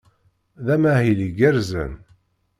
D amahil igerrzen.